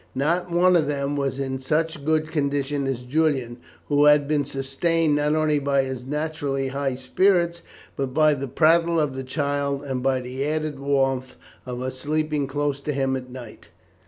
Not one of them was in such good condition as Julian, who had been sustained not only by his naturally high spirits, but by the prattle of the child, and by the added warmth of her sleeping close to him at night.